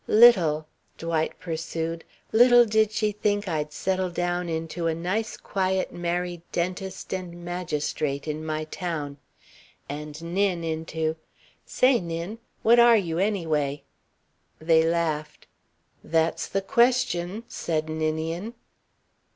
"Little," Dwight pursued, "little did she think I'd settle down into a nice, quiet, married dentist and magistrate in my town. And Nin into say, Nin, what are you, anyway?" They laughed. "That's the question," said Ninian.